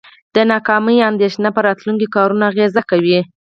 د ناکامۍ اندیښنه په راتلونکو کارونو اغیزه کوي.